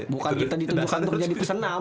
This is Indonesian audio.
bukan kita ditujukan untuk jadi pesenam